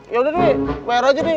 yaudah deh bayar aja deh